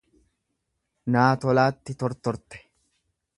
Naa tolaatti tortorte.